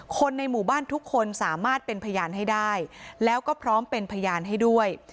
คนในหมู่บ้านทุกคนสามารถเป็นพยานให้ได้แล้วก็พร้อมเป็นพยานให้ด้วย